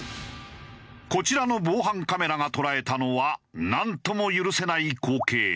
こちらの防犯カメラが捉えたのはなんとも許せない光景。